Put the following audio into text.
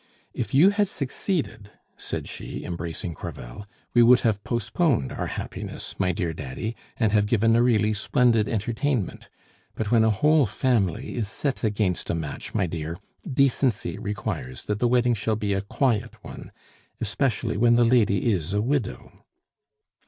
If you had succeeded," said she, embracing Crevel, "we would have postponed our happiness, my dear Daddy, and have given a really splendid entertainment; but when a whole family is set against a match, my dear, decency requires that the wedding shall be a quiet one, especially when the lady is a widow."